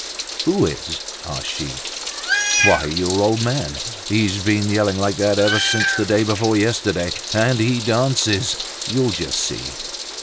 "Who is?" asked she. "Why, your old man! He's been yelling like that ever since the day before yesterday; and he dances, you'll just see."